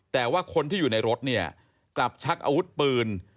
แต่ว่าคนที่อยู่ในรถเนี่ยกลับชักอาวุธปืน